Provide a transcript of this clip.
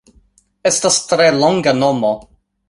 Estas tre longa nomo